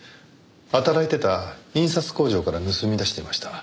働いてた印刷工場から盗み出していました。